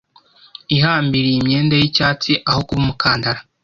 Ihambiriye imyenda y'icyatsi aho kuba umukandara